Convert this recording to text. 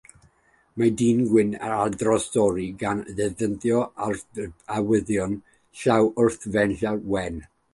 Mae dyn gwyn yn adrodd stori gan ddefnyddio arwyddion llaw wrth fenyw wen.